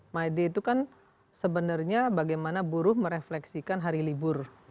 maide itu kan sebenarnya bagaimana buruh merefleksikan hari libur